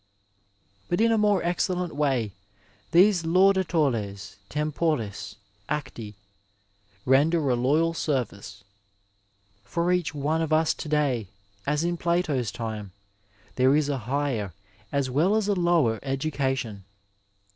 But in a more excellent way these laudatores temporis acti render a royal service. For each one of us to day, as in Plato's time, there is a higher as well as a lower edu cation.